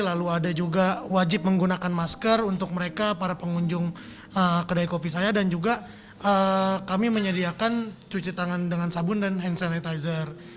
lalu ada juga wajib menggunakan masker untuk mereka para pengunjung kedai kopi saya dan juga kami menyediakan cuci tangan dengan sabun dan hand sanitizer